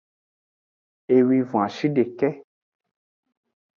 Ewwivon ashideke.